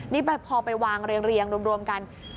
นี่พอไปวางเรียงรวมกัน